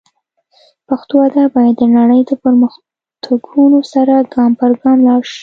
پښتو ادب باید د نړۍ له پرمختګونو سره ګام پر ګام لاړ شي